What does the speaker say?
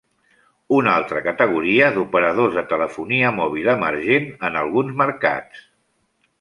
Una altra categoria d'operadors de telefonia mòbil emergent en alguns mercats.